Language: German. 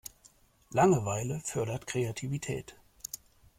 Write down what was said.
Langeweile fördert Kreativität.